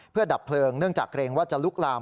เพื่อดับเพลิงเนื่องจากเกรงว่าจะลุกลาม